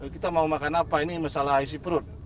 kita mau makan apa ini masalah isi perut